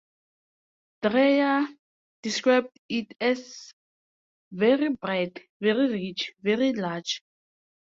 Dreyer described it as very bright, very rich, very large.